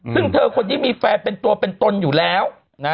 ซึ่งเธอคนนี้มีแฟนเป็นตัวเป็นตนอยู่แล้ว